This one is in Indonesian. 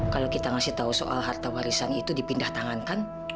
kalau kita ngasih tahu soal harta warisan itu dipindah tangankan